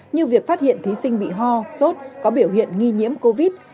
như việc phát hiện thí sinh bị ho sốt có biểu hiện nghi nhiễm covid